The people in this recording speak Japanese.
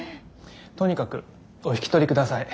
とにかくお引き取り下さい。